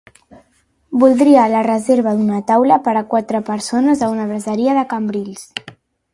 Voldria la reserva d'una taula per a quatre persones a una braseria de Cambrils.